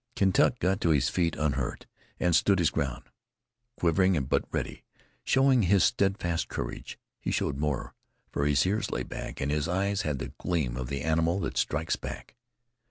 Kentuck got to his feet unhurt, and stood his ground, quivering but ready, showing his steadfast courage. He showed more, for his ears lay back, and his eyes had the gleam of the animal that strikes back.